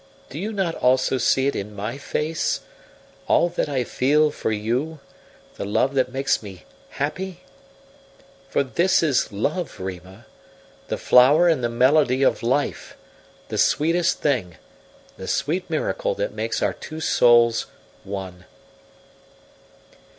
Do you not also see it in my face all that I feel for you, the love that makes me happy? For this is love, Rima, the flower and the melody of life, the sweetest thing, the sweet miracle that makes our two souls one."